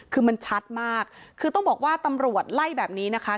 คือมันชัดมากคือต้องบอกว่าตำรวจไล่แบบนี้นะคะ